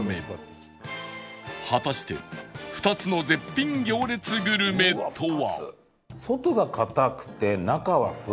果たして２つの絶品行列グルメとは？